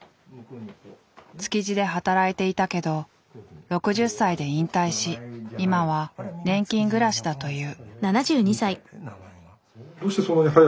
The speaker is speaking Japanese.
築地で働いていたけど６０歳で引退し今は年金暮らしだという。